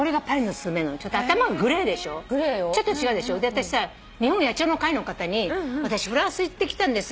私さ日本野鳥の会の方に「私フランス行ってきたんです。